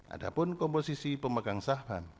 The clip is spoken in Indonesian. adapun komposisi pemegang saham